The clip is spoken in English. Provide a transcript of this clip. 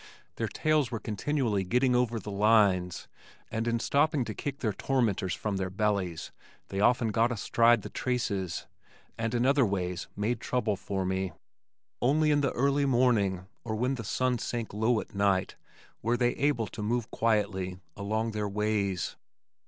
Their tails were continually getting over the lines, and in stopping to kick their tormentors from their bellies they often got astride the traces, and in other ways made trouble for me. Only in the early morning or when the sun sank low at night were they able to move quietly along their ways.